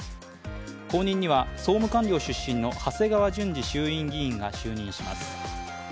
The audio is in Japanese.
後任には総務官僚出身の長谷川淳二衆院議員が就任します。